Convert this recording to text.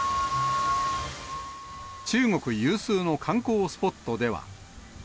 中国有数の観光スポットでは。